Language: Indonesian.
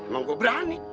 lo kok berani